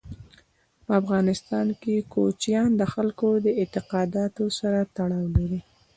په افغانستان کې کوچیان د خلکو د اعتقاداتو سره تړاو لري.